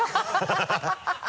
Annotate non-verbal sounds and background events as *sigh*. ハハハ *laughs*